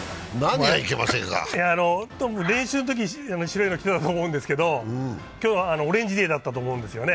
練習のとき白いの着てたと思うんですけど、今日はオレンジデーだったと思うんですよね。